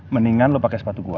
mendingan lo pake sepatu gua